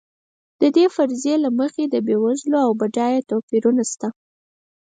د دې فرضیې له مخې د بېوزلو او بډایو توپیرونه شته.